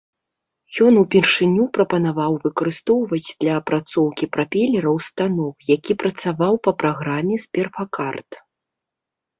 Ён упершыню прапанаваў выкарыстоўваць для апрацоўкі прапелераў станок, які працаваў па праграме з перфакарт.